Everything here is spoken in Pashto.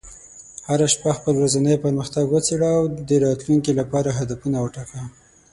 هره شپه خپل ورځنی پرمختګ وڅېړه، او د راتلونکي لپاره هدفونه وټاکه.